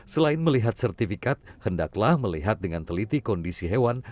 selain melihat sertifikat hendaklah melihat dengan teliti kondisi hewan